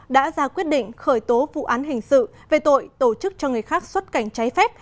đã ra quyết định khởi tố vụ án hình sự về tội tổ chức cho người khác xuất cảnh trái phép